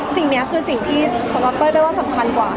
สิ่งนี้คือสิ่งที่สำหรับเต้ยเต้ยว่าสำคัญกว่า